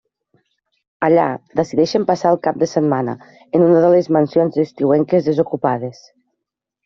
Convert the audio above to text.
Allà decideixen passar el cap de setmana en una de les mansions estiuenques desocupades.